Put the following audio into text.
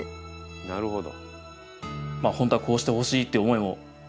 なるほど。